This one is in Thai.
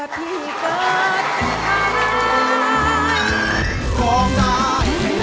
มีเบาะตา